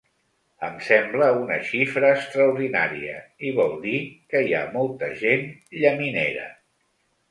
Em sembla una xifra extraordinària i vol dir que hi ha molta gent llaminera!